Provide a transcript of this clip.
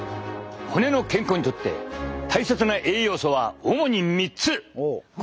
骨の健康にとって大切な栄養素は主に３つ！